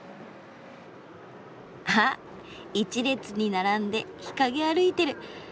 あっ一列に並んで日陰歩いてる。